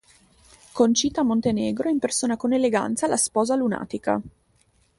Conchita Montenegro impersona con eleganza la sposa lunatica.